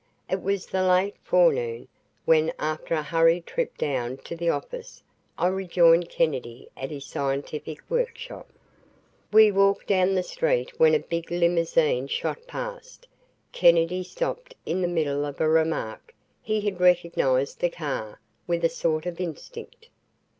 It was the late forenoon, when after a hurried trip down to the office, I rejoined Kennedy at his scientific workshop. We walked down the street when a big limousine shot past. Kennedy stopped in the middle of a remark. He had recognized the car, with a sort of instinct.